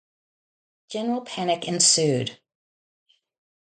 General panic ensued.